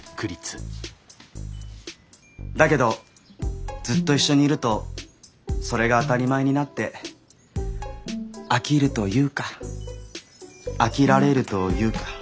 だけどずっと一緒にいるとそれが当たり前になって飽きるというか飽きられるというか。